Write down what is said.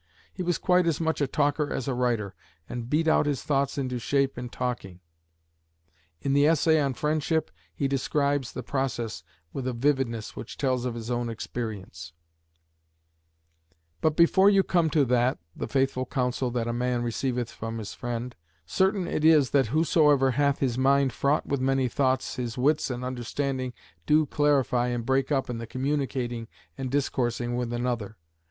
He was quite as much a talker as a writer, and beat out his thoughts into shape in talking. In the essay on Friendship he describes the process with a vividness which tells of his own experience "But before you come to that [the faithful counsel that a man receiveth from his friend], certain it is that whosoever hath his mind fraught with many thoughts, his wits and understanding do clarify and break up in the communicating and discoursing with another.